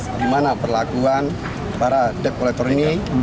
bagaimana perlakuan para dep kolektor ini